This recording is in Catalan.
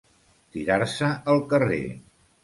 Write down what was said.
Tirar-se al carrer.